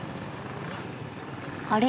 あれ？